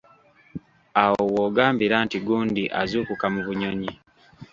Awo w'ogambira nti gundi azuukuka mu bunnyonyi.